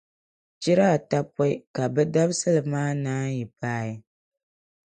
chira ata pɔi ka bɛ dabisili maa naanyi paai.